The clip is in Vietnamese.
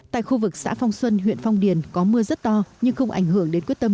tại khu vực xã phong xuân huyện phong điền có mưa rất to nhưng không ảnh hưởng đến quyết tâm